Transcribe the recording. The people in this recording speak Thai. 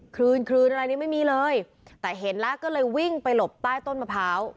คืนคลืนอะไรนี่ไม่มีเลยแต่เห็นแล้วก็เลยวิ่งไปหลบใต้ต้นมะพร้าว